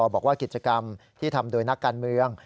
บอกว่ากิจกรรมที่ทำโดยนักการเมือง